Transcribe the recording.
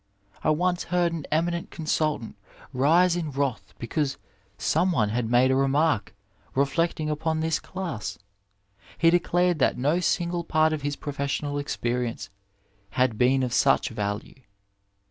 I once heard an eminent con sultant riae in wrath because some one had made a remark reflecting upon this class. He declared tiiat no single part of his professional experience had been of such value.